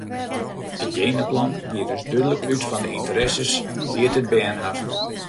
It jenaplan giet dus dúdlik út fan de ynteresses dy't it bern hat.